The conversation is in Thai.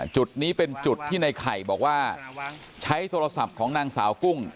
จุดนี้เป็นจุดที่ในไข่บอกว่าใช้โทรศัพท์ของนางสาวกุ้ง